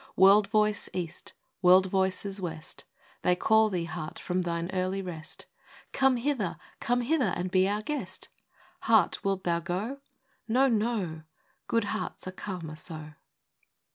World voice east, world voices west, They call thee, Heart, from thine early rest, " Come hither, come hither and be our guest." Heart, wilt thou go ?—" No, no ! Good hearts are calmer so."